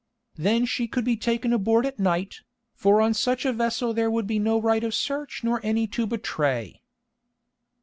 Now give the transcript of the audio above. Then she could be taken aboard at night, for on such a vessel there would be no right of search nor any to betray."